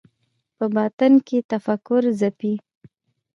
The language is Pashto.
په باطن کې تفکر ځپي